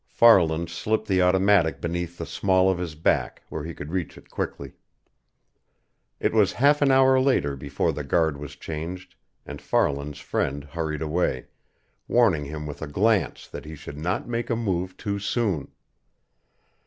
Farland slipped the automatic beneath the small of his back, where he could reach it quickly. It was half an hour later before the guard was changed and Farland's friend hurried away, warning him with a glance that he should not make a move too soon.